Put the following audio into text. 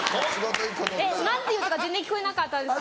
えっ何て言ったか全然聞こえなかったです。